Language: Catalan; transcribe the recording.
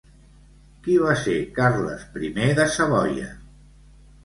Qui va ser Carles I de Savoia?